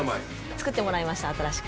作ってもらいました、新しく。